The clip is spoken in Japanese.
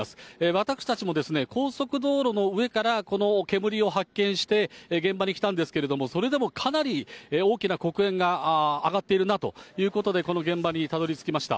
私たちも高速道路の上からこの煙を発見して、現場に来たんですけれども、それでもかなり大きな黒煙が上がっているなということで、この現場にたどりつきました。